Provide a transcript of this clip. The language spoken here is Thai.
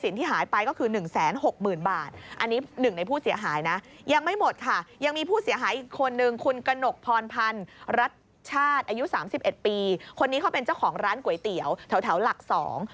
นี่เขาเป็นเจ้าของร้านก๋วยเตี๋ยวแถวหลักสอง